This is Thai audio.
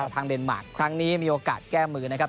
ทางเดนมาร์คครั้งนี้มีโอกาสแก้มือนะครับ